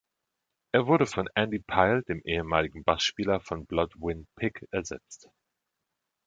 Er wurde von Andy Pyle, dem ehemaligen Bassspieler von Blodwyn Pig ersetzt.